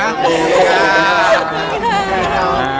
ขอบคุณค่ะ